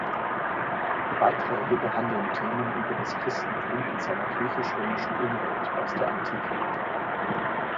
Die Beiträge behandeln Themen über das Christentum in seiner griechisch-römischen Umwelt aus der Antike.